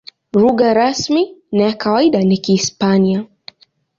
Lugha rasmi na ya kawaida ni Kihispania.